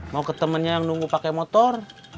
mau ke temennya yang nunggu pakai motor